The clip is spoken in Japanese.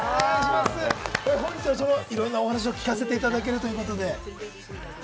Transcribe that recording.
本日はいろんなお話を聞かせていただけるということですね。